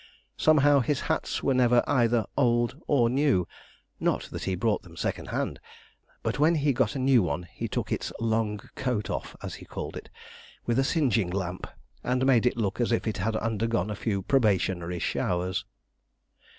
Somehow, his hats were never either old or new not that he bought them second hand, but when he got a new one he took its 'long coat' off, as he called it, with a singeing lamp, and made it look as if it had undergone a few probationary showers.